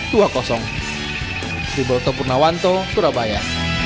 persebaya topurnawanto surabaya